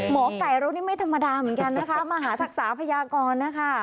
หมอไก่เรานี่ไม่ธรรมดาเหมือนกันนะคะมหาทักษาพยากรนะคะ